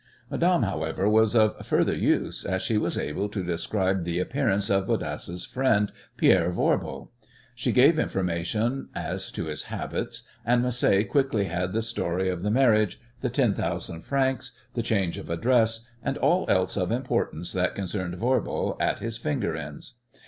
Madame, however, was of further use, as she was able to describe the appearance of Bodasse's friend, Pierre Voirbo. She gave information as to his habits, and Macé quickly had the story of the marriage, the ten thousand francs, the change of address, and all else of importance that concerned Voirbo at his finger ends.